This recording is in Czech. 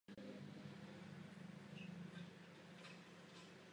Tím u papežské kurie začal dlouholetý soudní spor.